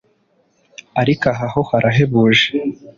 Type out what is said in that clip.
ariko aha ho harahebuje